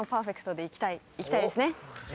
いきたいです。